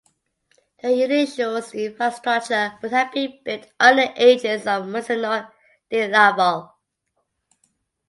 The initial infrastructure would have been built under the aegis of Monsignor de Laval.